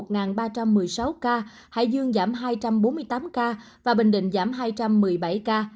ninh thuận một trăm một mươi sáu ca hải dương giảm hai trăm bốn mươi tám ca và bình định giảm hai trăm một mươi bảy ca